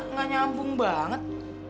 nggak nyambung banget